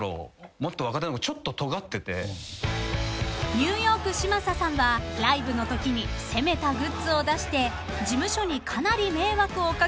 ［ニューヨーク嶋佐さんはライブのときに攻めたグッズを出して事務所にかなり迷惑をかけたそうです］